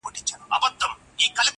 تر احسان لاندي هم ستا هم مو د پلار یم،